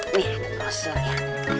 nih ada brosur ya